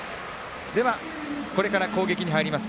では、これから攻撃に入ります